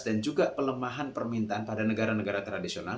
juga pelemahan permintaan pada negara negara tradisional